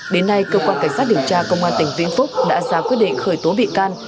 đến nay cơ quan cảnh sát điều tra công an tỉnh vĩnh phúc đã ra quyết định khởi tố bị can